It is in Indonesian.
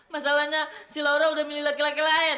masalahnya si laura udah milih laki laki lain